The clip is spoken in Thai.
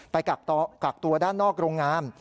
กักตัวด้านนอกโรงงาน